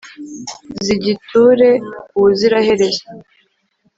zigiture ubuziraherezo